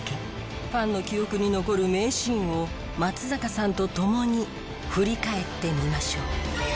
ファンの記憶に残る名シーンを松坂さんと共に振り返ってみましょう。